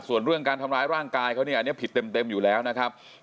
ส่วนเรื่องการทำร้ายร่างกายเขาเนี่ยอันนี้ผิดเต็มอยู่แล้วนะครับ